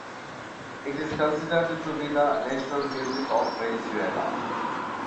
It is considered to be the national music of Venezuela.